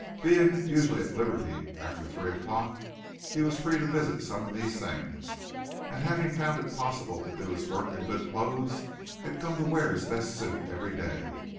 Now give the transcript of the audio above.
Being usually at liberty after three o'clock, he was free to visit some of these things, and having found it possible to do his work in good clothes he had come to wear his best suit every day.